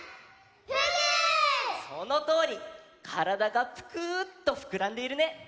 からだがぷくっとふくらんでいるね。